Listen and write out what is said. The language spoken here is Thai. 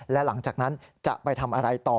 และหลังจากนั้นจะไปทำอะไรต่อ